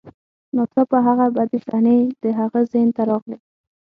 ناڅاپه هغه بدې صحنې د هغه ذهن ته راغلې